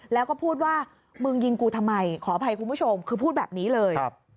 แล้วก็พูดว่ามึงยิงกูทำไมขออภัยคุณผู้ชมคือพูดแบบนี้เลย